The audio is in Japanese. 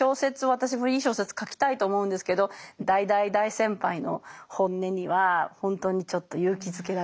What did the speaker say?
私もいい小説書きたいと思うんですけど大大大先輩の本音には本当にちょっと勇気づけられます。